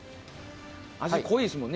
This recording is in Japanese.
味、濃いですもんね